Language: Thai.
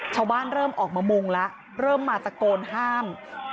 ชาวบ้านเริ่มออกมามุงแล้วเริ่มมาตะโกนห้าม